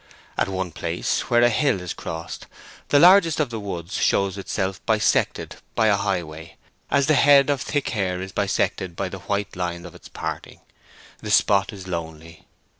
At one place, where a hill is crossed, the largest of the woods shows itself bisected by the high way, as the head of thick hair is bisected by the white line of its parting. The spot is lonely.